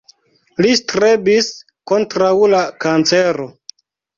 Li strebis kontraŭ la kancero.